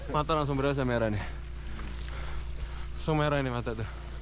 mata langsung berasa merah nih langsung merah ini mata tuh